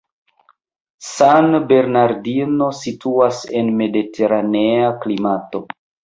San Bernardino situas en mediteranea klimato.